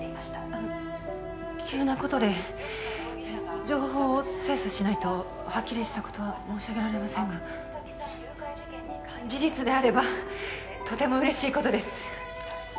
あの急なことで情報を精査しないとはっきりしたことは申し上げられませんが事実であればとても嬉しいことです